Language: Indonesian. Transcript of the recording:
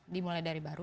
dimulai dari baru